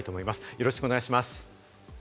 よろしくお願いします。